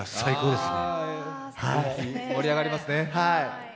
すごく盛り上がりますね。